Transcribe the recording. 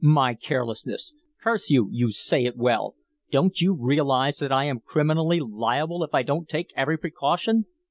"My carelessness! Curse you you say it well. Don't you realize that I am criminally liable if I don't take every precaution?"